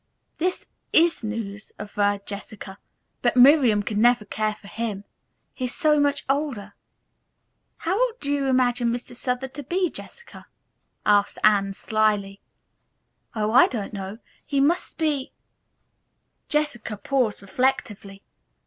"This is news," averred Jessica. "But Miriam could never care for him. He is so much older." "How old do you imagine Mr. Southard to be, Jessica?" asked Anne slyly. "Oh, I don't know. He must be " Jessica paused reflectively.